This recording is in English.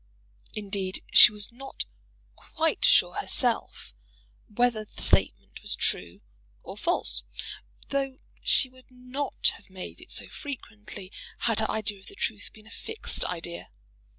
Indeed, she was not quite sure herself whether the statement was true or false, though she would not have made it so frequently had her idea of the truth been a fixed idea.